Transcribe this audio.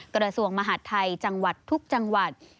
กรสวงศ์มหาธัยจังหวัดทุกจังหวัด